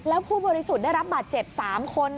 แล้วผู้บริสุทธิ์ได้รับบาดเจ็บ๓คน